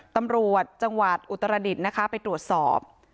ตำรวจจังหวัดอุตรศาสตร์ไปตรวจสอบ